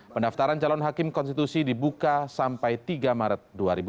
pendaftaran calon hakim konstitusi dibuka sampai tiga maret dua ribu dua puluh